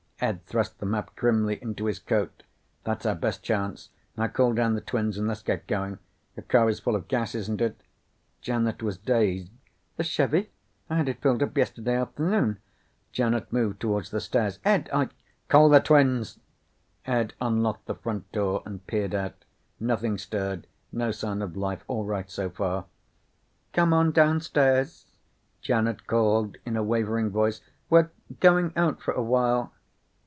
Ed thrust the map grimly into his coat. "That's our best chance. Now call down the twins and let's get going. Your car is full of gas, isn't it?" Janet was dazed. "The Chevy? I had it filled up yesterday afternoon." Janet moved toward the stairs. "Ed, I " "Call the twins!" Ed unlocked the front door and peered out. Nothing stirred. No sign of life. All right so far. "Come on downstairs," Janet called in a wavering voice. "We're going out for awhile."